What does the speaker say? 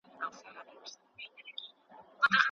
کندهار د میرویس نیکه د پاڅون ټاټوبی دی.